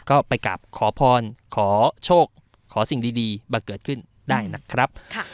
ก็ไปกลับขอพรขอโชคขอสิ่งดีมาเกิดขึ้นได้นะครับ